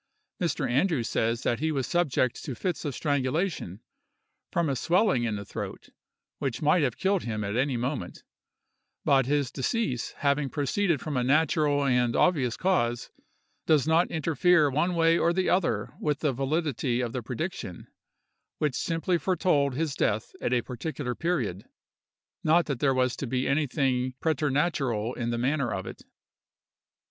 Mr. Andrews says that he was subject to fits of strangulation, from a swelling in the throat, which might have killed him at any moment; but his decease having proceeded from a natural and obvious cause, does not interfere one way or the other with the validity of the prediction, which simply foretold his death at a particular period, not that there was to be anything preternatural in the manner of it.